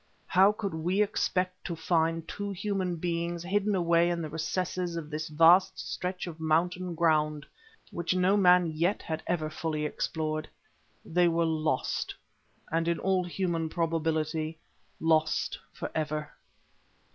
How could we expect to find two human beings hidden away in the recesses of this vast stretch of mountain ground, which no man yet had ever fully explored. They were lost, and in all human probability lost for ever.